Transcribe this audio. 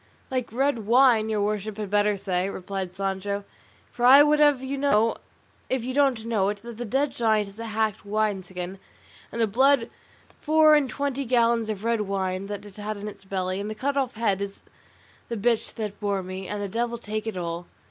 "Like red wine, your worship had better say," replied Sancho; "for I would have you know, if you don't know it, that the dead giant is a hacked wine skin, and the blood four and twenty gallons of red wine that it had in its belly, and the cut off head is the bitch that bore me; and the devil take it all."